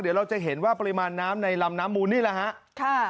เดี๋ยวเราจะเห็นว่าปริมาณน้ำในลำน้ำมูลนี่แหละฮะ